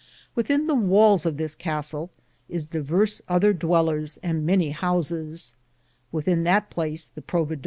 '^ Within the wales of this castell is diverse other dwelers, and many housis ; within that place the Providore 1 Chios.